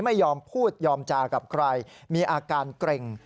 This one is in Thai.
ไม่ยอมพูดยอมจากับใครมีอาการเกร็ง